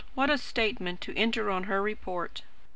What a statement to enter on her report!